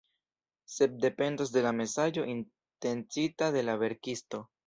Sed dependas de la mesaĝo intencita de la verkisto.